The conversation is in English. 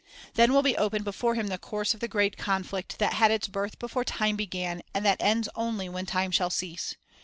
Then will be opened before him the course of the great conflict that had its birth before time began, and that ends only when time shall cease.